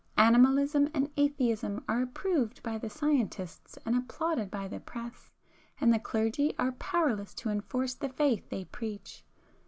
Animalism and atheism are approved by the scientists and applauded by the press,—and the clergy are powerless to enforce the faith they preach.